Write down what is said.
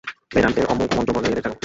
বেদান্তের অমোঘ মন্ত্রবলে এদের জাগাব।